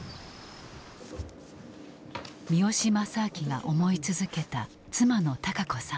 三好正顕が思い続けた妻の孝子さん。